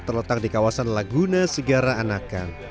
terletak di kawasan laguna segara anakan